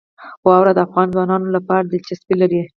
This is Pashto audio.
واوره د افغان ځوانانو لپاره دلچسپي لري.